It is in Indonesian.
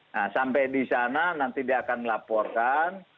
nah sampai di sana nanti dia akan melaporkan